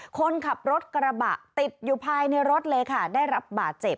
คนขับรถกระบะติดอยู่ภายในรถเลยค่ะได้รับบาดเจ็บ